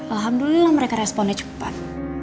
alhamdulillah mereka responnya cepat